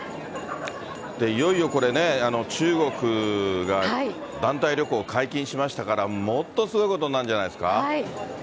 いよいよこれね、中国が団体旅行解禁しましたから、もっとすごいことになるんじゃないですか。